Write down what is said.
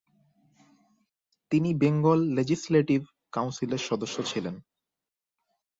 তিনি বেঙ্গল লেজিসলেটিভ কাউন্সিলের সদস্য ছিলেন।